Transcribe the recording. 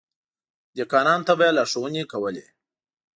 دهقانانو ته به يې لارښونې کولې.